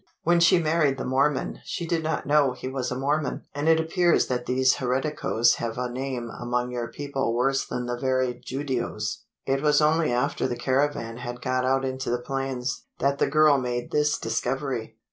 "When she married the Mormon, she did not know he was a Mormon; and it appears that these hereticos have a name among your people worse than the very Judios. It was only after the caravan had got out into the plains, that the girl made this discovery.